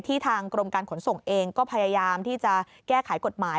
ทางกรมการขนส่งเองก็พยายามที่จะแก้ไขกฎหมาย